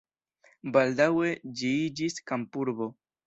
Baldaŭe ĝi iĝis kampurbo.